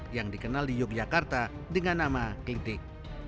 yang dikenal di yogyakarta dengan nama klitik